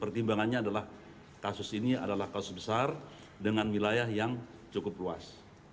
salah kasus besar dengan wilayah yang cukup luas